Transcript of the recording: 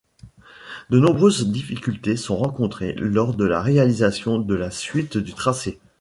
De nombreuses difficultés sont rencontrées lors de la réalisation de la suite du tracé.